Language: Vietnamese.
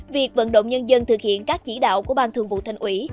việc vận động nhân dân thực hiện các chỉ đạo của ban thường vụ thành ủy